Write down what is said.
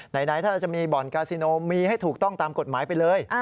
ไหนถ้าเราจะมีบ่อนกาซิโนมีให้ถูกต้องตามกฎหมายไปเลย